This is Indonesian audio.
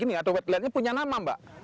ini atau wetlandnya punya nama mbak